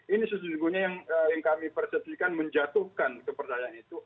ini sesungguhnya yang kami persetikan menjatuhkan kepercayaan itu